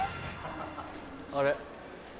あれ？